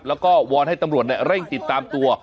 แล้วก็วอนให้ตำรวจเร่งติดตามตัว